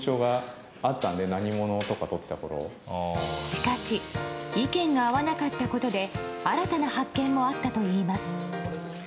しかし意見が合わなかったことで新たな発見もあったといいます。